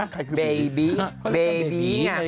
ใครคือบีบี